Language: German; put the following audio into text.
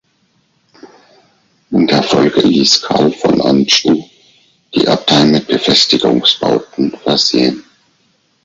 In der Folge ließ Karl von Anjou die Abtei mit Befestigungsbauten versehen.